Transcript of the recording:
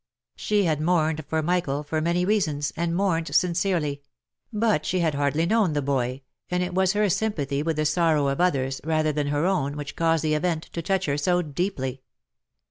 She had mourned for Michael for many reasons, and mourned sincerely ; but she had hardly known the boy, and it was her sympathy with the sorrow of others, rather than her own, which caused the event to touch her so deeply.